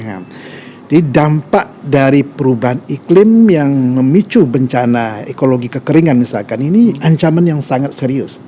jadi dampak dari perubahan iklim yang memicu bencana ekologi kekeringan misalkan ini ancaman yang sangat serius